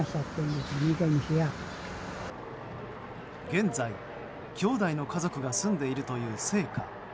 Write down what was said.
現在、きょうだいの家族が住んでいるという生家。